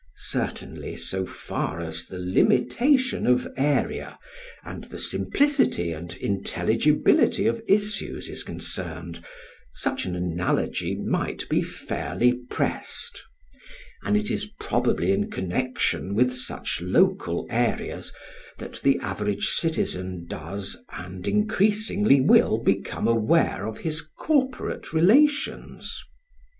Certainly so far as the limitation of area, and the simplicity and intelligibility of issues is concerned, such an analogy might be fairly pressed; and it is probably in connection with such local areas that the average citizen does and increasingly will become aware of his corporate relations.